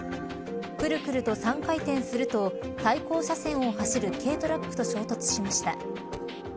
くるくると３回転すると対向車線を走る軽トラックと衝突しました。